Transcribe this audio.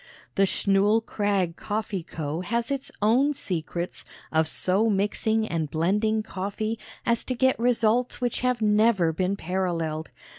The Schnull Krag Coffee Co. has its own secrets of so mixing and blending coffee as to get results which have never been paralleled.